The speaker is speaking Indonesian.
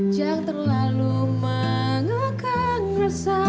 jangan terlalu mengukang rasa